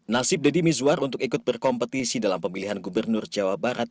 nasib deddy mizwar untuk ikut berkompetisi dalam pemilihan gubernur jawa barat